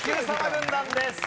軍団です。